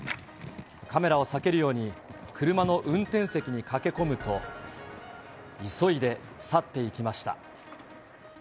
カメラを避けるように、車の運転席に駆け込むと、急いで去っていきました。